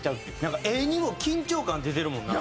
なんか画にも緊張感出てるもんな。